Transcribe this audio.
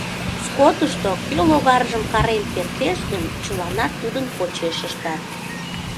Скотышто кӧ логаржым карен кертеш гын, чыланат тудын почеш ыштат.